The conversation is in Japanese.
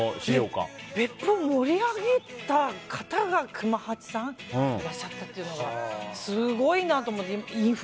別府を盛り上げた方が熊八さんいらっしゃったというのがすごいなと思って。